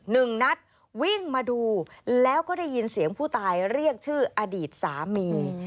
หนึ่งนัดวิ่งมาดูแล้วก็ได้ยินเสียงผู้ตายเรียกชื่ออดีตสามี